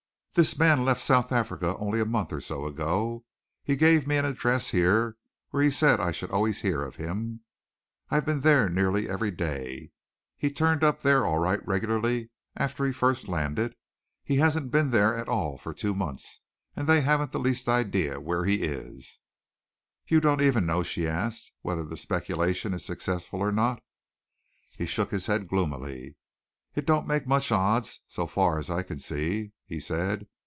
"This man left South Africa only a month or so ago. He gave me an address here where he said I should always hear of him. I've been there nearly every day. He turned up there all right regularly after he first landed. He hasn't been there at all for two months, and they haven't the least idea where he is." "You don't even know," she asked, "whether the speculation is successful or not?" He shook his head gloomily. "It don't make much odds, so far as I can see," he said.